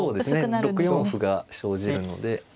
６四歩が生じるので。